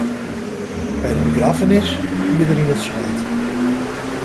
By de begraffenis wie er yn it swart.